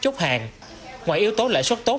chốt hàng ngoài yếu tố lãi xuất tốt